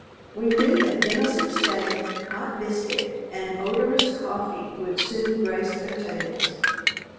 We knew that venison steak, hot biscuit, and odorous coffee would soon grace their tables.